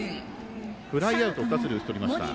フライアウト２つで打ち取りました。